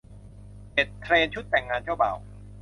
เจ็ด เทรนด์ชุดแต่งงานเจ้าบ่าว